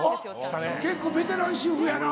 あっ結構ベテラン主婦やな。